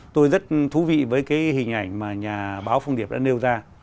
tôi rất thú vị với cái hình ảnh mà nhà báo phong điệp đã nêu ra